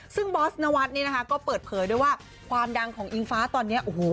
ซึ่งบอสนวัสก็เปิดเผยด้วยว่าความดังของอิงฟ้าตอนนี้